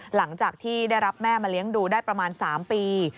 หลังจากที่ได้รับแม่มาเลี้ยงดูได้ประมาณ๓ปี